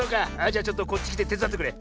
じゃちょっとこっちきててつだってくれ。